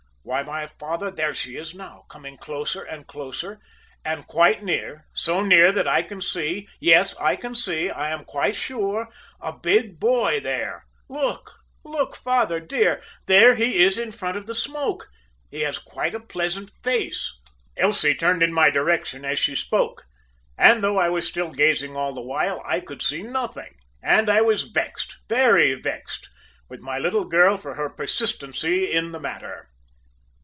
Why, my father, there she is now, coming closer and closer, and quite near; so near that I can see yes, I can see I am quite sure a big boy there. Look, look, father, dear! There he is in front of the smoke. He has quite a pleasant face.' "Elsie turned in my direction as she spoke, and, though I was still gazing all the while, I could see nothing, and I was vexed, very vexed with my little girl for her persistency in the matter.